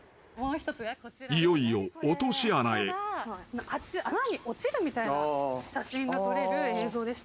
［いよいよ］穴に落ちるみたいな写真が撮れる映像でして。